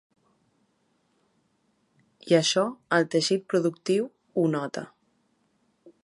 I això el teixit productiu ho nota.